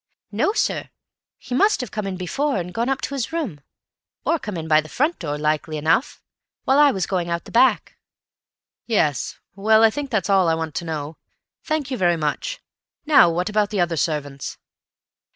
"No, sir; he must have come in before and gone up to his room. Or come in by the front door, likely enough, while I was going out by the back." "Yes. Well, I think that's all that I want to know, thank you very much. Now what about the other servants?"